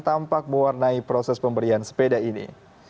tampak mewarnai proses pemberian sepeda ini